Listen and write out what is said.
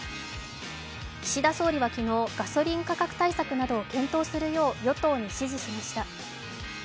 岸田総理は昨日、ガソリン価格対策などを検討するよう与党に指示しました。